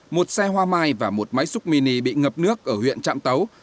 một xe hoa mai và một máy xúc mini bị ngập nước ở huyện trạm tấu